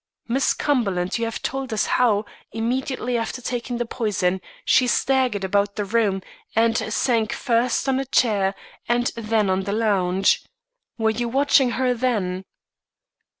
"Miss Cumberland, you have told us how, immediately after taking the poison, she staggered about the room, and sank first on a chair and then on the lounge. Were you watching her then?"